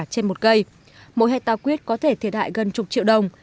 trên một cây mỗi hectare quyết có thể thiệt hại gần chục triệu đồng